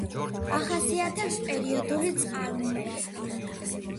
ახასიათებს პერიოდული წყალმოვარდნა.